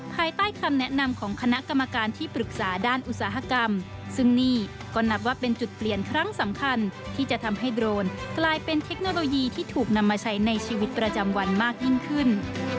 ภายใต้คำแนะนำของคณะกรรมการที่ปรึกษาด้านอุตสาหกรรมซึ่งนี่ก็นับว่าเป็นจุดเปลี่ยนครั้งสำคัญที่จะทำให้โดรนกลายเป็นเทคโนโลยีที่ถูกนำมาใช้ในชีวิตประจำวันมากยิ่งขึ้น